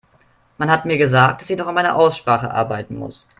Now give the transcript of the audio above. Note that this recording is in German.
Man hat mir gesagt, dass ich noch an meiner Aussprache arbeiten muss.